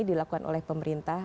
dilakukan oleh pemerintah